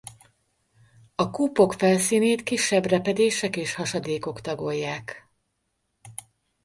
A kúpok felszínét kisebb repedések és hasadékok tagolják.